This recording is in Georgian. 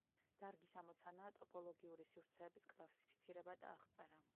დარგის ამოცანაა ტოპოლოგიური სივრცეების კლასიფიცირება და აღწერა.